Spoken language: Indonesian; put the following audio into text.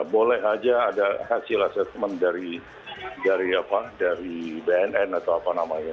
boleh saja ada hasil asesmen dari bnp